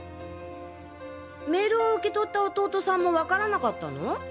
メールを受け取った弟さんもわからなかったの？